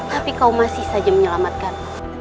tapi kau masih saja menyelamatkan